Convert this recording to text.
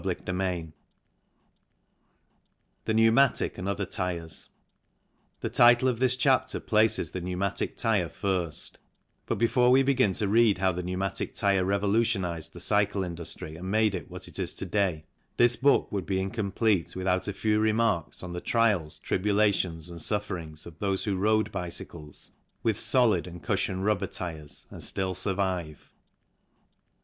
CHAPTER VII THE PNEUMATIC AND OTHER TYRES THE title of this chapter places the pneumatic tyre first, but before we begin to read how the pneumatic tyre revolutionized the cycle industry and made it what it is to day, this book would be incomplete without a few remarks on the trials, tribulations and sufferings of those who rode bicycles with solid and cushion rubber tyres and still survive.